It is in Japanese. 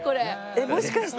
えっもしかして。